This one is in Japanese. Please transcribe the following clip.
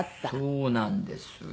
そうなんですよ。